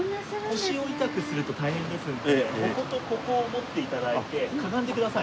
腰を痛くすると大変ですのでこことここを持って頂いてかがんでください。